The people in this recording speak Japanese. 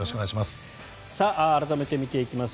改めて見ていきます。